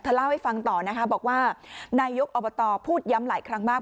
เล่าให้ฟังต่อนะคะบอกว่านายกอบตพูดย้ำหลายครั้งมาก